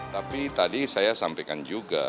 tapi tadi saya sampaikan juga